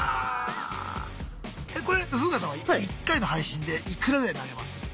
これフーガさんは１回の配信でいくらぐらい投げます？